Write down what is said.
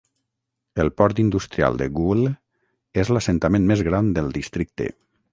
El port industrial de Goole és l'assentament més gran del districte.